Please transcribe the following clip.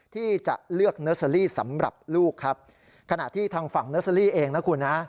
ที่จะเลือกเนอร์เซอรี่สำหรับลูกครับขณะที่ทางฝั่งเนอร์เซอรี่เองนะคุณนะ